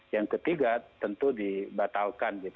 yang ketiga tentu dibatalkan